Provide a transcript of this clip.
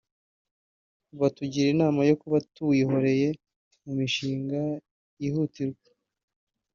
batugira inama yo kuba tuwihoreye mu mishinga yihutirwa